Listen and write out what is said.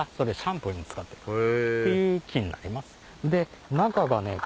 っていう木になります。